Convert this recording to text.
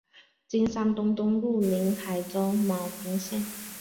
金山东东路宁海州牟平县。